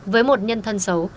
với một nhân thân xấu